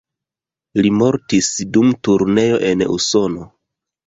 Li mortis dum turneo en Usono.